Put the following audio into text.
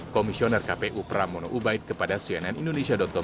komisioner kpu pramono ubaid kepada cnn indonesia com